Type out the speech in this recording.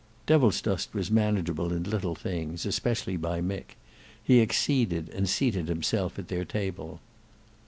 Devilsdust was manageable in little things, especially by Mick; he acceded, and seated himself at their table.